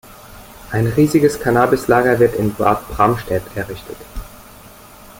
Ein riesiges Cannabis-Lager wird in Bad Bramstedt errichtet.